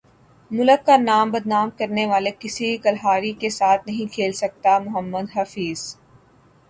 ملک کا نام بدنام کرنے والے کسی کھلاڑی کے ساتھ نہیں کھیل سکتا محمد حفیظ